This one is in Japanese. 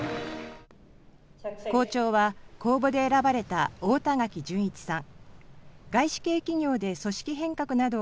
校長は、公募で選ばれた太田垣淳一さん。